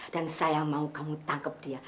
dan saya mau kamu tangkap dia